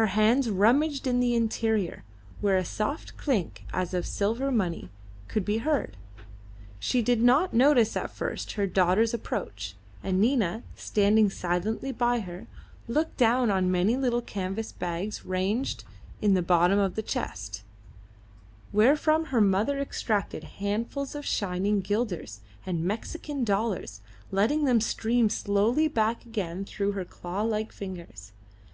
Her hands rummaged in the interior, where a soft clink as of silver money could be heard. She did not notice at first her daughter's approach, and Nina, standing silently by her, looked down on many little canvas bags ranged in the bottom of the chest, wherefrom her mother extracted handfuls of shining guilders and Mexican dollars, letting them stream slowly back again through her claw like fingers.